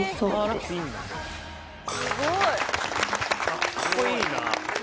かっこいいな。